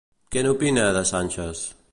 Què n'opina, de Sánchez?